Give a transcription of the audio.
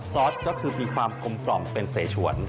ซอสก็คือมีความกลมเป็นเสชวน